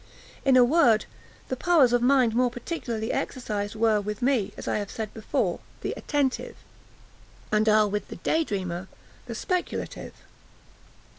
In a word, the powers of mind more particularly exercised were, with me, as I have said before, the attentive, and are, with the day dreamer, the speculative.